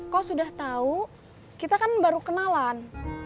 kok sudah tau kita kan baru kenalan